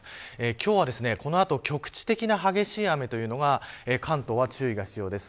今日はこの後局地的な激しい雨というのが関東は注意が必要です。